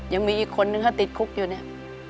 ยังมีอีกคนนึงเขาติดคุกอยู่เนี่ย